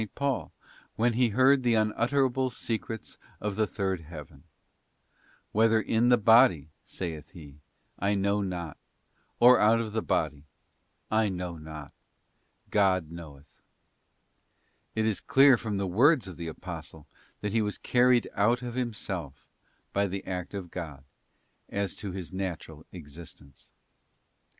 Paul when he heard the un utterable secrets in the third heaven, ' Whether in the body,' saith he, 'I know not, or out of the body, I know not; God knoweth,'* It is clear from the words of the Apostle that _ he was carried out of himself, by the act of God, as to his natural existence.